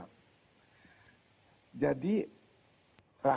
rasa nyeri di tempat